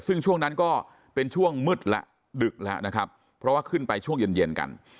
ซึ่งช่วงนั้นก็เป็นช่วงมืดแล้วดึกแล้วนะครับเพราะว่าขึ้นไปช่วงเย็นเย็นกัน